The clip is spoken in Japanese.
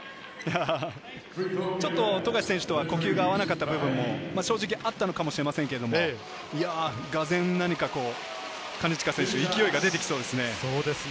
ちょっと富樫選手と呼吸が合わなかった部分も正直、あったかもしれませんけど、がぜん何か金近選手、勢いが出てきそうですね。